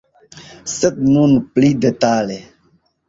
Sed nun pli detale.